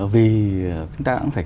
vì chúng ta cũng phải